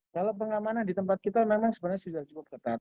kalau pengamanan di tempat kita memang sebenarnya